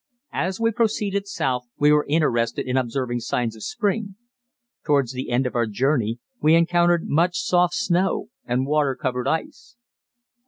As we proceeded south we were interested in observing signs of spring. Towards the end of our journey we encountered much soft snow and water covered ice.